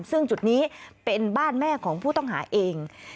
ซึ่งจุดนี้เป็นบ้านแม่ของผู้ต้องหาเอง